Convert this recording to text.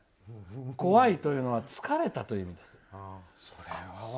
こわいというのは疲れたという意味。